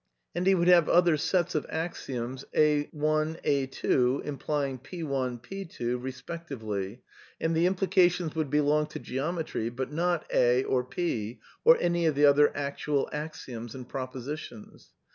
And he would have other sets of axioms A,, A^, ... implying P,, P^, respectively, and the implications woxdd belong to Geometry, but not A, or P, or . any of the other actual axioms and propositions.